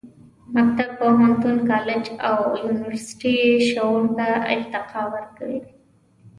مکتب، پوهنتون، کالج او یونیورسټي شعور ته ارتقا ورکوي.